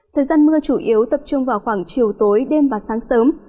thời gian mưa chủ yếu tập trung vào khoảng chiều tối đêm và sáng sớm